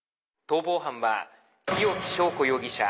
「逃亡犯は日置昭子容疑者。